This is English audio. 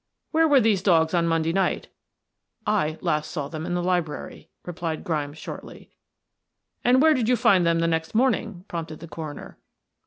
"Where were these dogs on Monday night?" "I last saw them in the library," replied Grimes shortly. "And where did you find them the next morning?" prompted the coroner.